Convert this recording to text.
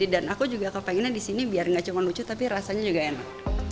dan aku juga kepengennya di sini biar gak cuma lucu tapi rasanya juga enak